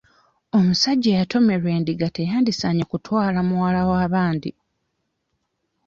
Omusajja eyatomerwa endiga teyandisaanye kutwala muwala wa bandi.